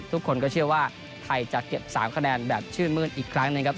ทุกคนก็เชื่อว่าไทยจะเก็บ๓คะแนนแบบชื่นมื้นอีกครั้งนะครับ